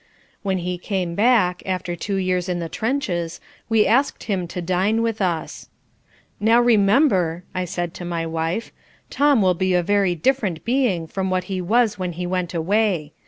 When he came back, after two years in the trenches, we asked him to dine with us. "Now, remember," I said to my wife, "Tom will be a very different being from what he was when he went away.